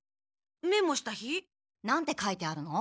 メモした日？なんて書いてあるの？